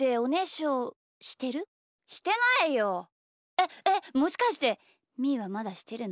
えっえっもしかしてみーはまだしてるの？